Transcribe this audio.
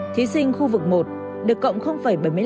thí sinh khu vực một được cộng năm